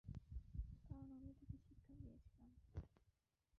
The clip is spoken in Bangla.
কারণ আমি তাকে শিক্ষা দিয়েছিলাম।